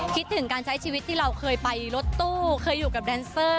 คิดถึงการใช้ชีวิตที่เราเคยไปรถตู้เคยอยู่กับแดนเซอร์